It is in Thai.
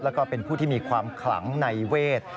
แล้วก็เป็นผู้ที่มีความขลังในเวท